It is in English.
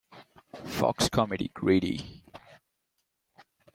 Fox comedy "Greedy".